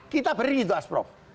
kita beri itu asprog